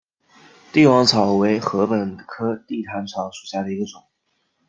帝皇草为禾本科地毯草属下的一个种。